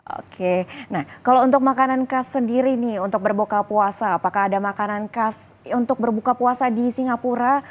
oke nah kalau untuk makanan khas sendiri nih untuk berbuka puasa apakah ada makanan khas untuk berbuka puasa di singapura